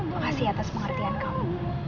makasih atas pengertian kamu